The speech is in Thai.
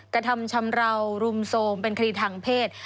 กระทำชำราวรุมโทรมเป็นคดีทางเพศ